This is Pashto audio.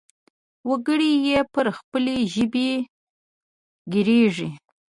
وګړي يې پر خپلې ژبې ګړيږي.